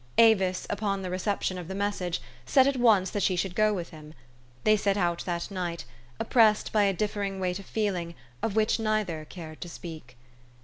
Avis, upon the reception of the message, said at once that she should go with him. They set out that night, oppressed by a differing weight of feeling, of which neither cared to speak.